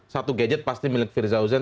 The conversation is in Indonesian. satu gadget pasti milik firjah huzain